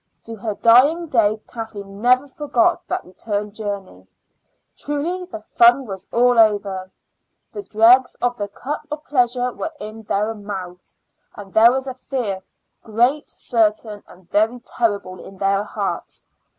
To her dying day Kathleen never forgot that return journey. Truly the fun was all over; the dregs of the cup of pleasure were in their mouths, and there was a fear, great, certain, and very terrible, in their hearts.